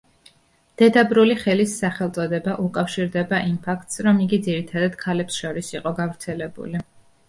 დედაბრული ხელის სახელწოდება უკავშირდება იმ ფაქტს, რომ იგი ძირითადად ქალებს შორის იყო გავრცელებული.